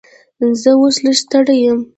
زه اوس لږ ستړی یم.